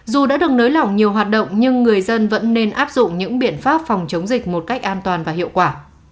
dù đã được nới lỏng nhiều hoạt động nhưng người dân vẫn nên áp dụng những biện pháp phòng chống dịch một cách an toàn và hiệu quả